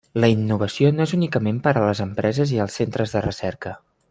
La innovació no és únicament per a les empreses i els centres de recerca.